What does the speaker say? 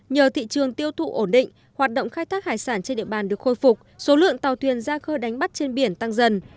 nhờ thị trường tiêu thụ ổn định hoạt động khai thác hải sản trên địa bàn được khôi phục số lượng tàu thuyền ra khơi đánh bắt trên biển tăng dần